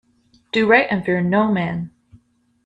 Do right and fear no man.